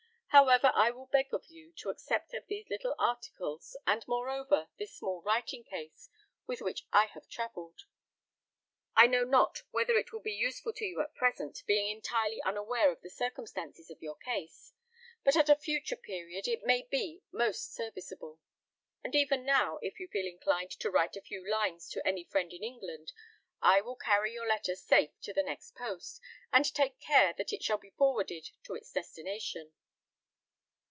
However, I will beg of you to accept of these little articles, and moreover, this small writing case, with which I have travelled. I know not whether it will be useful to you at present, being entirely unaware of the circumstances of your case; but at a future period it may be most serviceable; and even now, if you feel inclined to write a few lines to any friend in England, I will carry your letter safe to the next post, and take care that it shall be forwarded to its destination."